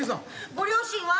ご両親は？